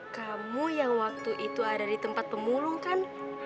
kamu yang waktu itu ada di tempat pemulung kan